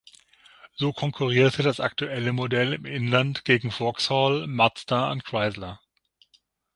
So konkurrierte das aktuelle Modell im Inland gegen Vauxhall, Mazda und Chrysler.